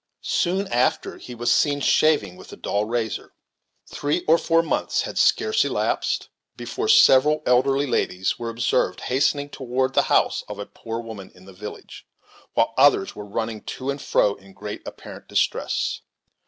Soon after he was seen shaving with a dull razor. Three or four months had scarce elapsed before several elderly ladies were observed hastening toward the house of a poor woman in the village, while others were running to and fro in great apparent distress.